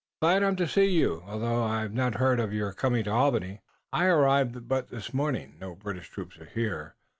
"Glad I am to see you, although I had not heard of your coming to Albany." "I arrived but this morning. No British troops are here.